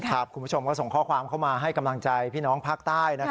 คุณผู้ชมก็ส่งข้อความเข้ามาให้กำลังใจพี่น้องภาคใต้